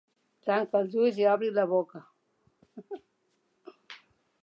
Tanca els ulls i obre la boca.